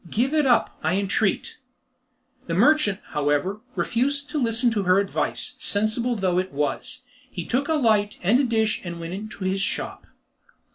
Give it up, I entreat." The merchant, however, refused to listen to her advice, sensible though it was. He took a light and a dish and went into his shop.